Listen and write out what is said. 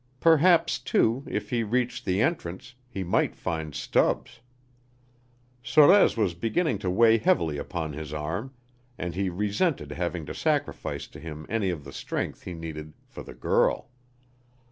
Perhaps, too, if he reached the entrance, he might find Stubbs. Sorez was beginning to weigh heavily upon his arm, and he resented having to sacrifice to him any of the strength he needed for the girl.